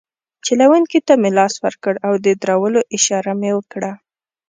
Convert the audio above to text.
چلونکي ته مې لاس ورکړ او د درولو اشاره مې وکړه.